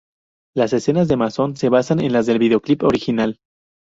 Las escenas de Manson se basan en las del videoclip original.